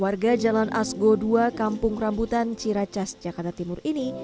warga jalan asgo ii kampung rambutan ciracas jakarta timur ini